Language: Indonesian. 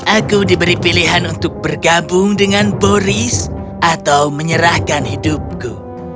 aku diberi pilihan untuk bergabung dengan boris atau menyerahkan hidupku